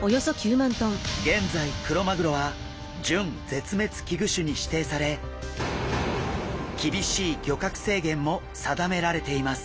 現在クロマグロは準絶滅危惧種に指定され厳しい漁獲制限も定められています。